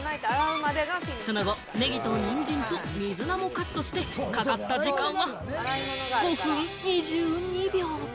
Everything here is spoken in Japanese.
その後、ネギとニンジンと水菜もカットしてかかった時間は５分２２秒。